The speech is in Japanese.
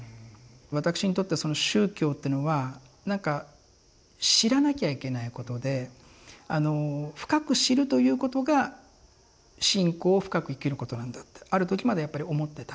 私にとっては宗教っていうのは何か知らなきゃいけないことで深く知るということが信仰を深く生きることなんだってある時までやっぱり思ってた。